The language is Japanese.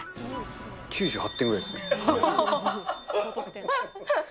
９８点ぐらいですね。